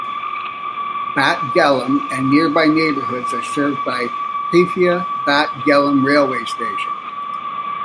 Bat Galim and nearby neighborhoods are served by the Haifa Bat Galim Railway Station.